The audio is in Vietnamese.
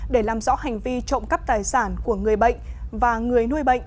để làm rõ hành vi trộm cắp tài sản của người bệnh và người nuôi bệnh